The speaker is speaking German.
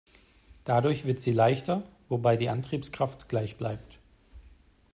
Dadurch wird sie leichter, wobei die Antriebskraft gleich bleibt.